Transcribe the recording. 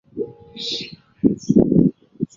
与邻近地区的奥兰多海盗为世仇。